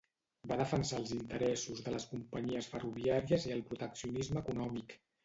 Va defensar els interessos de les companyies ferroviàries i el proteccionisme econòmic.